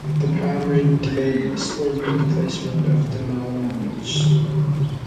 The primary debate is over the placement of the Mao languages.